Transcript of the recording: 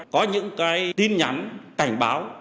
có những tin nhắn cảnh báo